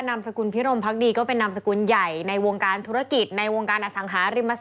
นามสกุลพิรมพักดีก็เป็นนามสกุลใหญ่ในวงการธุรกิจในวงการอสังหาริมทร